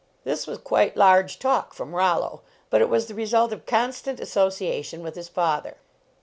This was quite large talk from Rollo, but it was the result of constant association with his father.